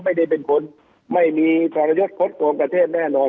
ไม่ได้เป็นคนไม่มีพรยศครบมกับเพศแน่นอน